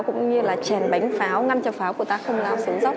cũng như là chèn bánh pháo ngăn cho pháo của ta không lao xuống dốc